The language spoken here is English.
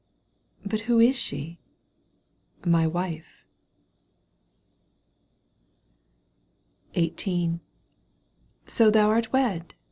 "— "But who is she ?"— "My wife." XVIII. " So thou art wed